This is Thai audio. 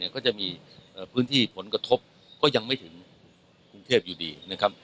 ก็จะมีพื้นที่ผลกระทบก็ยังไม่ถึงกรุงเทพอยู่ดีนะครับ